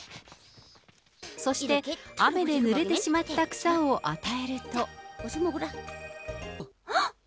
そして、雨でぬれてしまった草を与えると。